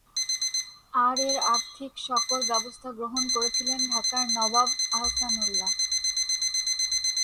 আর এর আর্থিক সকল ব্যবস্থা গ্রহণ করেছিলেন ঢাকার নবাব আহসানউল্লাহ।